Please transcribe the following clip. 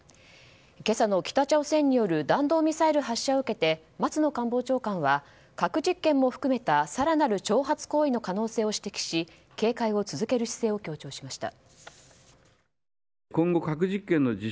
今朝の北朝鮮による弾道ミサイル発射を受けて松野官房長官は核実験も含めた更なる挑発行為の可能性を指摘し警戒を続ける姿勢を強調しました。